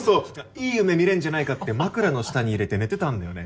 いい夢見れんじゃないかって枕の下に入れて寝てたんだよね。